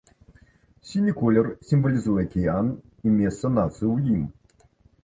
Сіні колер сімвалізуе акіян і месца нацыі ў ім.